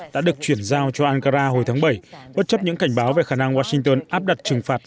đã được chuyển giao cho ankara hồi tháng bảy bất chấp những cảnh báo về khả năng washington áp đặt trừng phạt